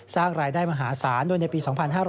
สร้างรายได้มหาศาลโดยในปี๒๕๕๙